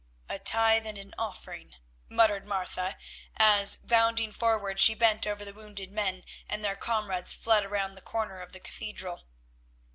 "A tithe and an offering!" muttered Martha as, bounding forward, she bent over the wounded men, and their comrades fled round the corner of the cathedral.